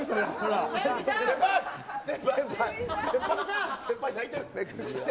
先輩、泣いてる。